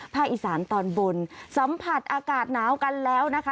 อีสานตอนบนสัมผัสอากาศหนาวกันแล้วนะคะ